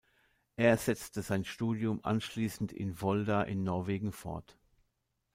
Er setzte sein Studium anschließend in Volda in Norwegen fort.